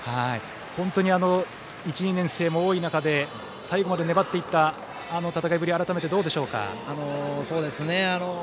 本当に１、２年生も多い中最後まで粘っていた戦いぶりを改めて、どうでしょうか。